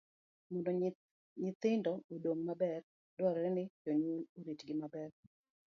Mondo nyithindo odong maber, dwarore ni jonyuol oritgi maber.